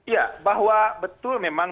ya bahwa betul memang